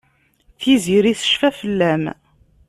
Tiziri tecfa fell-am.